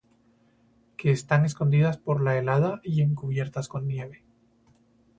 Que están escondidas por la helada, Y encubiertas con nieve;